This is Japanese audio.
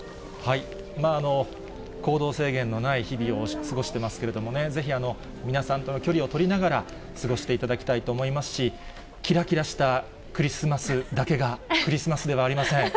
行動制限のない日々を過ごしてますけれどもね、ぜひ皆さんとの距離を取りながら過ごしていただきたいと思いますし、きらきらしたクリスマスだけがクリスマスではありません。